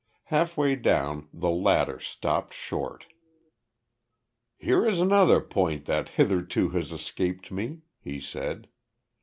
Halfway down, the latter stopped short. "Here is another point that hitherto has escaped me," he said.